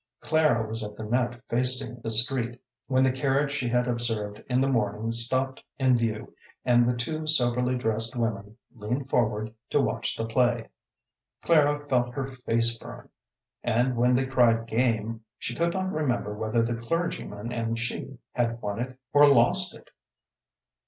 Clara was at the net facing the street, when the carriage she had observed in the morning stopped in view, and the two soberly dressed women leaned forward to watch the play. Clara felt her face burn, and when they cried "game," she could not remember whether the clergyman and she had won it or lost it.